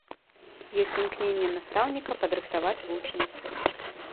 Ёсць імкненне настаўніка падрыхтаваць вучня.